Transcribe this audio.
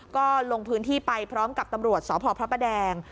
ก็ลงพื้นที่ไปพร้อมกับตำรวจสพพระประแดง